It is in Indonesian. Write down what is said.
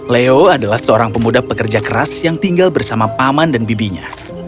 leo adalah seorang pemuda pekerja keras yang tinggal bersama paman dan bibinya